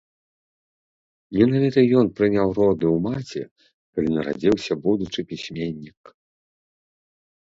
Менавіта ён прыняў роды ў маці, калі нарадзіўся будучы пісьменнік.